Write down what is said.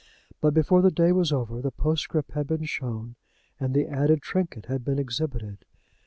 But before the day was over the postscript had been shown, and the added trinket had been exhibited.